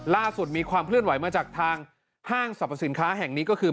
มีความเคลื่อนไหวมาจากทางห้างสรรพสินค้าแห่งนี้ก็คือ